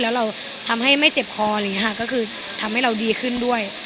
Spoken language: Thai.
แล้วเราทำให้ไม่เจ็บคออะไรอย่างนี้ค่ะก็คือทำให้เราดีขึ้นด้วย